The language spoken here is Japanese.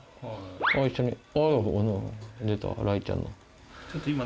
あぁ一緒に出た雷ちゃんの。